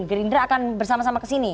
gerindra akan bersama sama kesini